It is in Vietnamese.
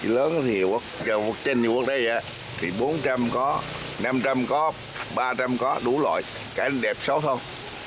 lớn thì quất chanh như quất đây thì bốn trăm linh có năm trăm linh có ba trăm linh có đủ loại cái đẹp xấu thôi